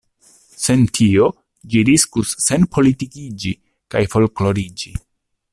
Sen tio, ĝi riskus senpolitikiĝi kaj folkloriĝi.